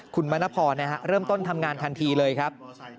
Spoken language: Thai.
คุณมณพรเริ่มต้นทำงานทันทีเลยครับ